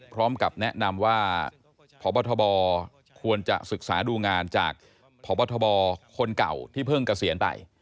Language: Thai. พร้อมกับแนะนำว่าพบทบควรจะศึกษาดูงานจากพบทบคนเก่าที่เพิ่งเกษียณไป